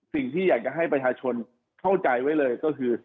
สิ่งที่อยากจะให้ประชาชนเข้าใจไว้เลยก็คือ